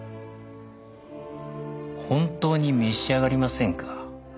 本当に召し上がりませんか？